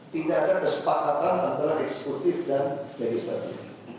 tidak ada kesepakatan antara eksekutif dan jenis latihan